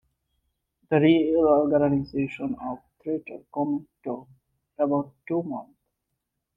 The reorganisation of the theatre command took about two months.